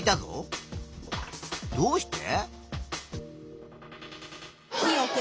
どうして？